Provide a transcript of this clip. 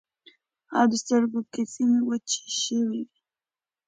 او د سترګو کسی مې وچ شوي وو.